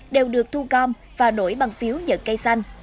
đều được thu com và nổi bằng phiếu nhận cây xanh